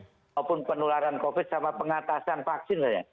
walaupun penularan covid sama pengatasan vaksin saja